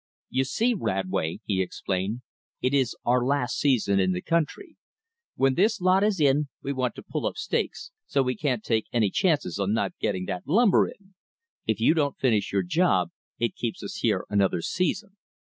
"You see, Radway," he explained, "it is our last season in the country. When this lot is in, we want to pull up stakes, so we can't take any chances on not getting that timber in. If you don't finish your Job, it keeps us here another season.